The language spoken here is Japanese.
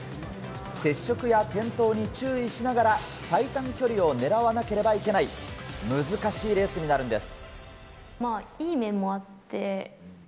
接触や転倒に注意しながら最短距離を狙わなければいけない難しいレースになるのです。